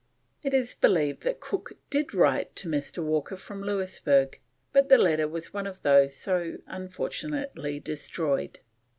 It is believed that Cook did write to Mr. Walker from Louisburg, but the letter was one of those so unfortunately destroyed.